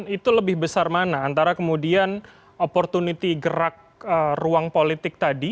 itu lebih besar mana antara kemudian opportunity gerak ruang politik tadi